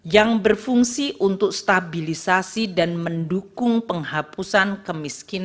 yang berfungsi untuk stabilisasi dan mendukung penghapusan kemiskinan